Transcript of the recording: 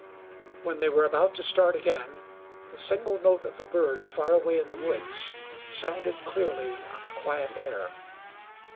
When they were about to start again the single note of a bird far away in the woods sounded clearly on the quiet air.